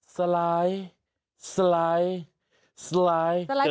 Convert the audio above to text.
สลายสลายสลาย